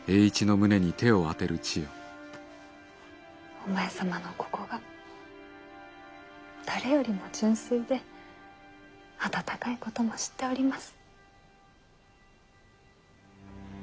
お前様のここが誰よりも純粋で温かいことも知っております。